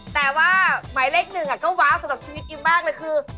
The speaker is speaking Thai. แต่ว่าหมายเลขหนึ่งก็ว้าวสำหรับชีวิตอิ๊มมากเลยคือ